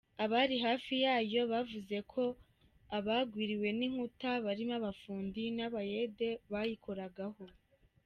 Abari hafi yayo bavuze ko abagwiriwe n’inkuta barimo abafundi n’abayede bayikoragaho.